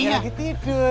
tunggu lagi tidur